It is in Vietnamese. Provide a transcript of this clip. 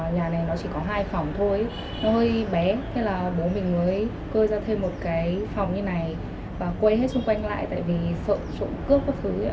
nhà này nó chỉ có hai phòng thôi nó hơi bé thế là bố mình mới cơ ra thêm một cái phòng như này và quây hết xung quanh lại tại vì sợ trộm cướp các thứ